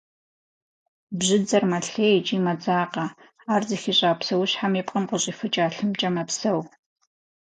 Бжьыдзэр мэлъей икӏи мэдзакъэ, ар зыхищӏа псэущхьэм и пкъым къыщӏифыкӏа лъымкӏэ мэпсэу.